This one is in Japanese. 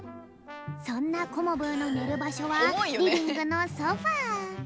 そんなコモブーのねるばしょはリビングのソファー。